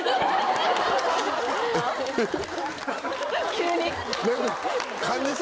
急に。